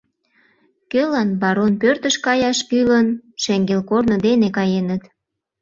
Кӧлан барон пӧртыш каяш кӱлын — шеҥгел корно дене каеныт.